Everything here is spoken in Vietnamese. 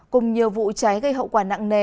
cùng nhiều vụ cháy gây hậu quả nặng nề